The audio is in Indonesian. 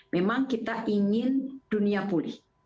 memang kita ingin dunia pulih